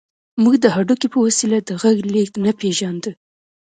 موږ د هډوکي په وسیله د غږ لېږد نه پېژانده